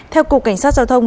theo cục cảnh sát giao thông